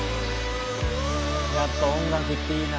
やっぱ音楽っていいな。